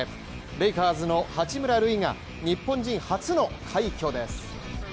レイカーズの八村塁が日本人初の快挙です。